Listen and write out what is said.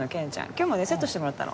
今日もねセットしてもらったの。